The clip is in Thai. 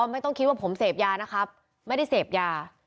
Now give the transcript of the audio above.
ไม่ต้องคิดว่าผมเสพยานะครับไม่ได้เสพยา